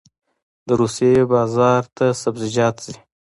د روسیې بازار ته سبزیجات ځي